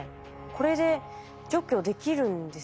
これで除去できるんですね？